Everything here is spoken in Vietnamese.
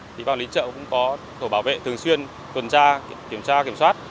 thì bản lý chợ cũng có thổ bảo vệ thường xuyên tuần tra kiểm tra kiểm soát